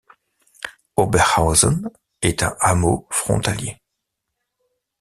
Oberhausen est un hameau frontalier.